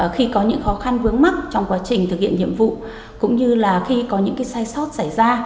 khi có những khó khăn vướng mắt trong quá trình thực hiện nhiệm vụ cũng như là khi có những sai sót xảy ra